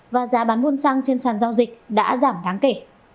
và giá bán buôn xăng trên sàn giao dịch đã giảm đáng kể